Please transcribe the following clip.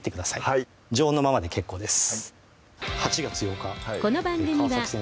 はい常温のままで結構です